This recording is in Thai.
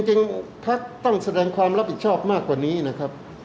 จริงพักต้องแสดงความรับผิดชอบมากกว่านี้นะครับ